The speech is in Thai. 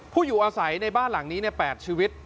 อยู่อาศัยในบ้านหลังนี้๘ชีวิต